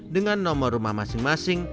dengan nomor rumah masing masing